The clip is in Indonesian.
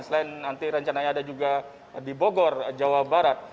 selain nanti rencananya ada juga di bogor jawa barat